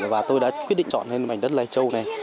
và tôi đã quyết định chọn lên mảnh đất lai châu này